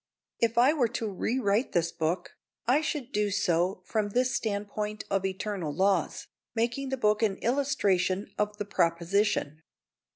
If I were to rewrite this book, I should do so from this standpoint of eternal laws, making the book an illustration of the proposition.